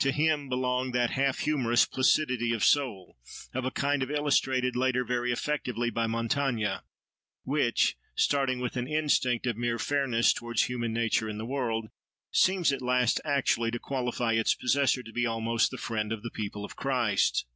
To him belonged that half humorous placidity of soul, of a kind illustrated later very effectively by Montaigne, which, starting with an instinct of mere fairness towards human nature and the world, seems at last actually to qualify its possessor to be almost the friend of the people of Christ.